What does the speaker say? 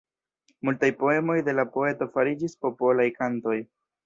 Multaj poemoj de la poeto fariĝis popolaj kantoj.